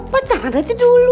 pacaran aja dulu